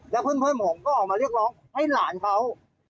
แล้วเพื่อนผมก็ออกมาเรียกร้องให้หลานเขา